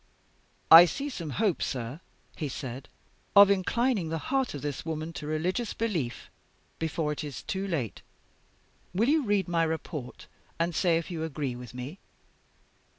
"I see some hope, sir," he said, "of inclining the heart of this woman to religious belief, before it is too late. Will you read my report, and say if you agree with me?"